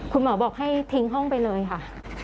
คุณหมอบอกให้ทิ้งห้องไปเลยค่ะ